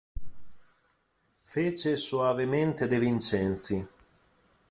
Fece soavemente De Vincenzi.